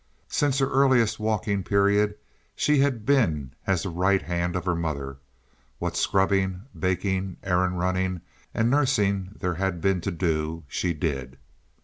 Since her earliest walking period she had been as the right hand of her mother. What scrubbing, baking, errand running, and nursing there had been to do she did.